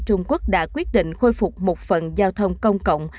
trung quốc đã quyết định khôi phục một phần giao thông công cộng